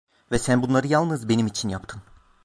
Ve sen bunları yalnız benim için yaptın.